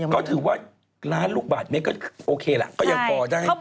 ก็ถือว่าล้านลูกบาทเมตรก็โอเคล่ะก็ยังพอได้